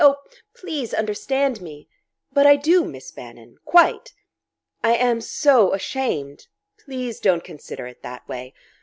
Oh, please understand me!" "But I do, Miss Bannon quite." "I am so ashamed " "Please don't consider it that way."